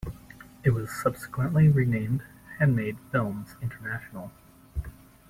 It was subsequently renamed Handmade Films International.